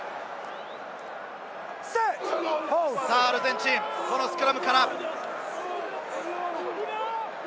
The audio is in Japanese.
アルゼンチン、スクラムから。